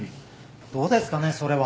・どうですかねそれは。